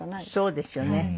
そうですよね。